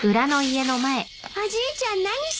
おじいちゃん何してるんですか？